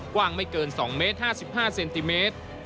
กว้างไม่เกิน๒เมตร๕๕เซนติเมตร